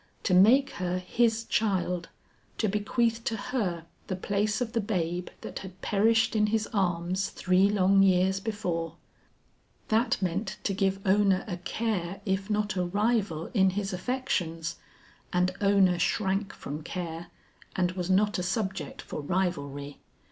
To make her his child, to bequeath to her the place of the babe that had perished in his arms three long years before That meant to give Ona a care if not a rival in his affections, and Ona shrank from care, and was not a subject for rivalry.